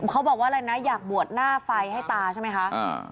เขาบอกว่าอยากบวชหน้าไฟให้ตาใช่ไมคะ